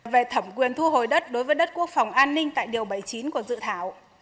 về thẩm quyền thu hồi đất đối với đất quốc phòng an ninh tại điều bảy mươi chín của dự thảo